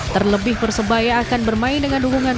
terlebih persebaya akan bermain dengan dukungan